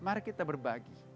mari kita berbagi